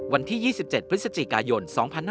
วันที่๒๗พฤศจิกายน๒๕๕๙